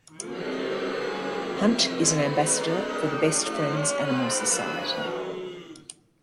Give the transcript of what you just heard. Hunt is an ambassador for the Best Friends Animal Society.